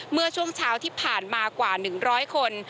เมื่อช่วงเช้าที่ผ่านมากว่า๑๐๐คน